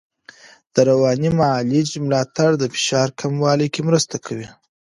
د رواني معالجې ملاتړ د فشار کمولو کې مرسته کوي.